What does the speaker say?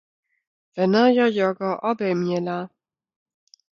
Wóna jo jogo wobejmjeła.